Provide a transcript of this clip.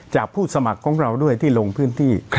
ผู้สมัครของเราด้วยที่ลงพื้นที่